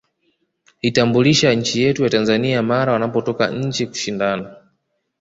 Hitambulisha nchi yetu ya Tanzania mara wanapotoka nje kushindana